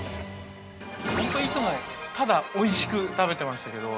◆ほんと、いつも、ただおいしく食べてましたけど。